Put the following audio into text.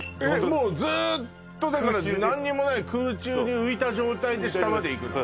もうずっとだから何にもない空中に浮いた状態で下まで行くの？